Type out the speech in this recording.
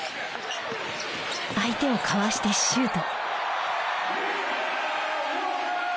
相手をかわしてシュート。